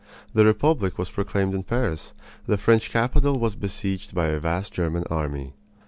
The republic was proclaimed in Paris. The French capital was besieged by a vast German army.